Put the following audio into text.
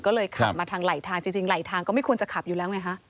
ก็เลยขับมาทางไหลทางจริงไหลทางก็ไม่ควรจะขับอยู่แล้วไงฮะ